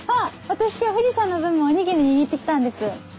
私今日藤さんの分もおにぎり握って来たんです。